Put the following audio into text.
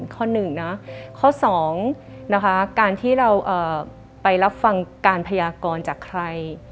ข้อหนึ่งนะข้อ๒นะคะการที่เราไปรับฟังการพยากรจากใคร